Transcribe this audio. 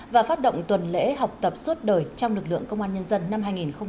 và phát động tuần lễ học tập suốt đời trong lực lượng công an nhân dân năm hai nghìn hai mươi